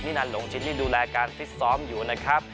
นันหลงชินนี่ดูแลการฟิตซ้อมอยู่นะครับ